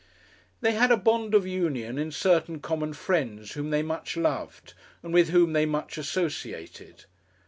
They had a bond of union in certain common friends whom they much loved, and with whom they much associated.